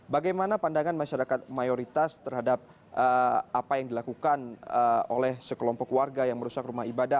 bagaimana pandangan masyarakat mayoritas terhadap apa yang dilakukan oleh sekelompok warga yang merusak rumah ibadah